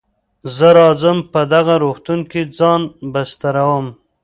زه راځم په دغه روغتون کې ځان بستروم.